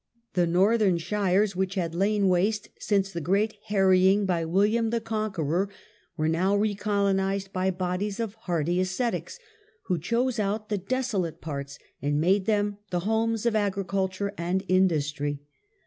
The northern shires, which had lain waste since the great harrying by William the Conqueror, were now recolonized by bodies of hardy ascetics, who chose out the desolate parts and made them the homes of agriculture and industry.